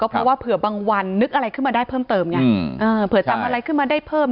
เพราะว่าเผื่อบางวันนึกอะไรขึ้นมาได้เพิ่มเติมไงเผื่อจำอะไรขึ้นมาได้เพิ่ม